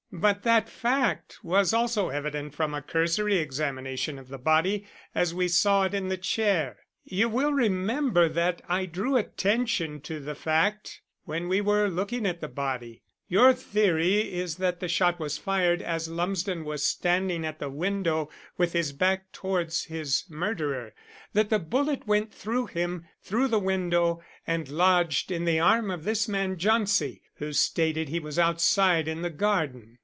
"But that fact was also evident from a cursory examination of the body, as we saw it in the chair. You will remember that I drew attention to the fact when we were looking at the body. Your theory is that the shot was fired as Lumsden was standing at the window, with his back towards his murderer, that the bullet went through him, through the window, and lodged in the arm of this man Jauncey who stated he was outside in the garden.